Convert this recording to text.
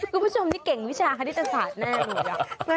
คุณผู้ชมนี่เก่งวิชาคฤษฐศาสตร์แน่หมดหรือเปล่า